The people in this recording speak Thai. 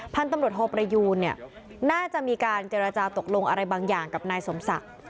พันธุ์ตำรวจโทประยูนเนี่ยน่าจะมีการเจรจาตกลงอะไรบางอย่างกับนายสมศักดิ์